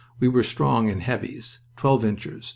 We were strong in "heavies," twelve inchers, 9.